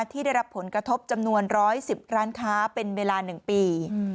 ที่ได้รับผลกระทบจำนวน๑๑๐ร้านค้าเป็นเวลา๑ปี